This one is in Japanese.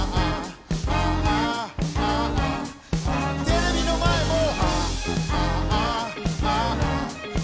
テレビの前も。